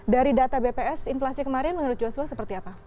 dari data bps inflasi kemarin menurut joshua seperti apa